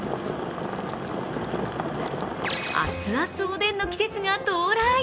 熱々おでんの季節が到来。